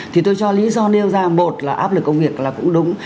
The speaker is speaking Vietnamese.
thì tôi cho lý do nêu ra một là áp lực công việc là cũng đúng